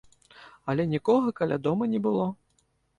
Але нікога каля дома не было.